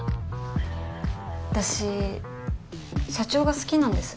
私社長が好きなんです。